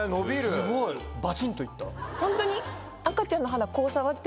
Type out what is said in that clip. すごいバチンといった。